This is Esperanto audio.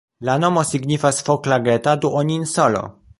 La nomo signifas "Foklageta-duoninsolo".